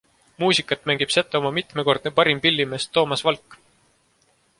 Muusikat mängib Setomaa mitmekordne parim pillimees Toomas Valk.